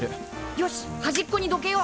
よしはじっこにどけよう。